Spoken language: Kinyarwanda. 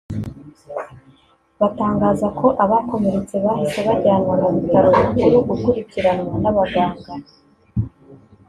batangaza ko abakomeretse bahise bajyanwa ku bitaro bikuru gukurikiranwa n’abaganga